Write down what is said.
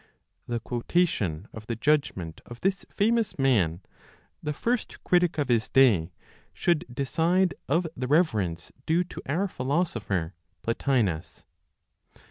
The quotation of the judgment of this famous man, the first critic of his day, should decide of the reverence due to our philosopher, Plotinos.